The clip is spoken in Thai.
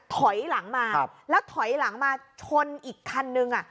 ถอยหลังมาแล้วถอยหลังมาชนอีกคันนึงอ่ะ